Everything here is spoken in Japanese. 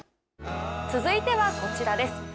続いてはこちらです